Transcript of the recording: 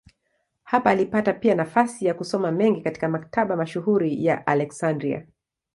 Hapa alipata pia nafasi ya kusoma mengi katika maktaba mashuhuri ya Aleksandria.